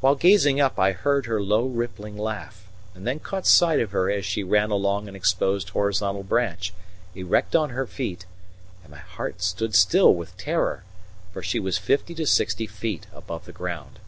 While gazing up I heard her low, rippling laugh, and then caught sight of her as she ran along an exposed horizontal branch, erect on her feet; and my heart stood still with terror, for she was fifty to sixty feet above the ground.